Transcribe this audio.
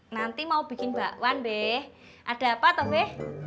nanti mau bikin bakwan be ada apa tau be